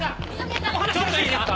ちょっといいですか？